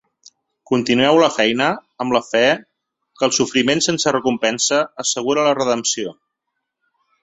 Continueu la feina amb la fe que el sofriment sense recompensa assegura la redempció.